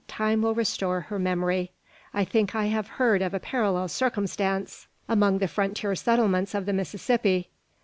Time will restore her memory. I think I have heard of a parallel circumstance among the frontier settlements of the Mississippi."